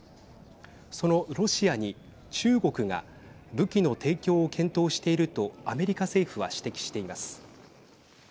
そのロシアに中国が武器の提供を検討しているとアメリカ政府は指摘しています。